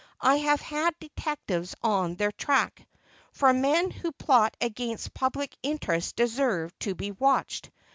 I have had detectives on their track, for men who plot against public interests deserve to be watched.